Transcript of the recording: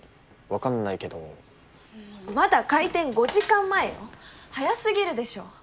わかんないけどまだ開店５時間前よ早すぎるでしょ